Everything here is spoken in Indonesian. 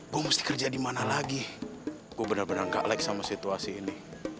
gue mesti kerja di mana lagi gue bener bener gak leg sama situasi ini